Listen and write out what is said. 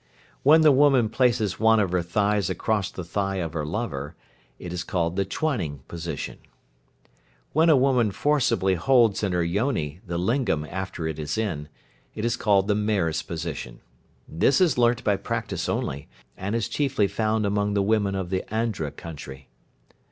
When the woman places one of her thighs across the thigh of her lover, it is called the "twining position." When a woman forcibly holds in her yoni the lingam after it is in, it is called the "mare's position." This is learnt by practice only, and is chiefly found among the women of the Andra country.